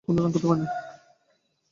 তিনি কোন রান তুলতে পারেননি।